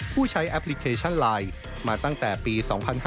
ใช้แอปพลิเคชันไลน์มาตั้งแต่ปี๒๕๕๙